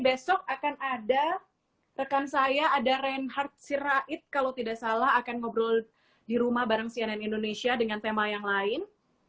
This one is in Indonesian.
besok akan ada rekan saya ada reinhard sirait kalau tidak salah akan ngobrol di rumah bareng cnn indonesia dengan tema yang lain